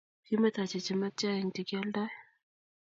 kimetochi chematia eng chekialdai